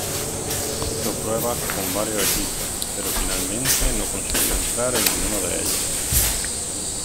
Hizo pruebas con varios equipos, pero finalmente no consiguió entrar en ninguno de ellos.